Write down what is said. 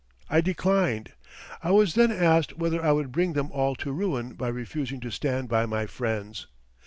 I declined. I was then asked whether I would bring them all to ruin by refusing to stand by my friends.